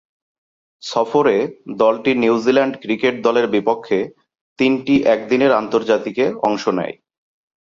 সফরে দলটি New Zealand cricket দলের বিপক্ষে তিনটি একদিনের আন্তর্জাতিকে অংশ নেয়।